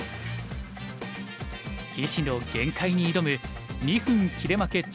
棋士の限界に挑む「２分切れ負け